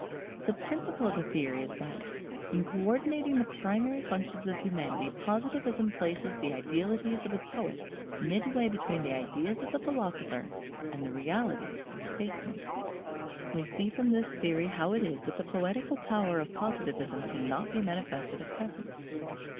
The principle of the theory is that, in co ordinating the primary functions of humanity, Positivism places the Idealities of the poet midway between the Ideas of the philosopher and the Realities of the statesman. We see from this theory how it is that the poetical power of Positivism cannot be manifested at present.